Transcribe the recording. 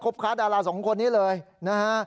ค้าดาราสองคนนี้เลยนะฮะ